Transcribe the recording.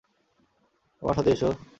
আমার সাথে এস।